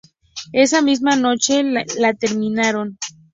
Esa misma noche la terminaron.